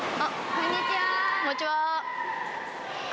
こんにちは。